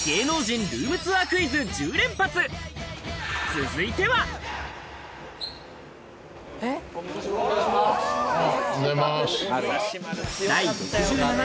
続いてはおはようございます。